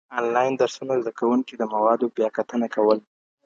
انلاين درسونه زده کوونکي د موادو بیاکتنه کول.